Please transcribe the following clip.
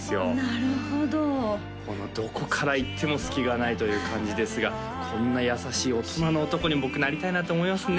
なるほどこのどこからいっても隙がないという感じですがこんな優しい大人の男に僕なりたいなって思いますね